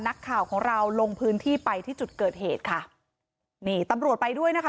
นักข่าวของเราลงพื้นที่ไปที่จุดเกิดเหตุค่ะนี่ตำรวจไปด้วยนะคะ